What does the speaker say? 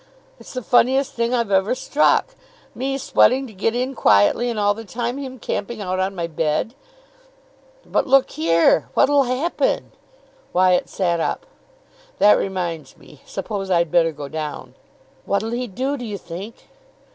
"It's the funniest thing I've ever struck. Me sweating to get in quietly, and all the time him camping out on my bed!" "But look here, what'll happen?" Wyatt sat up. "That reminds me. Suppose I'd better go down." "What'll he do, do you think?"